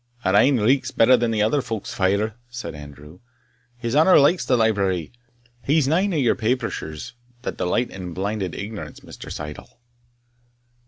"Our ain reekes better than other folk's fire," said Andrew. "His honour likes the library; he's nane o' your Papishers, that delight in blinded ignorance, Mr. Syddall."